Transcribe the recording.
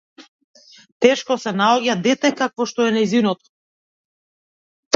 Тешко се наоѓа дете какво што е нејзиното.